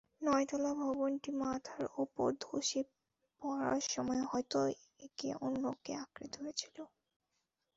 নয়তলা ভবনটি মাথার ওপর ধসে পড়ার সময় হয়তো একে অন্যকে আঁকড়ে ধরেছিলেন।